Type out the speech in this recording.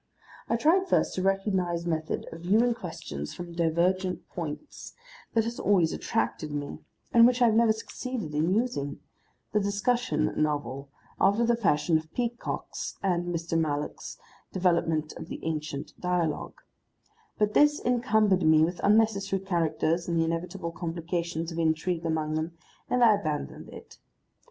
I tried first a recognised method of viewing questions from divergent points that has always attracted me and which I have never succeeded in using, the discussion novel, after the fashion of Peacock's (and Mr. Mallock's) development of the ancient dialogue; but this encumbered me with unnecessary characters and the inevitable complication of intrigue among them, and I abandoned it.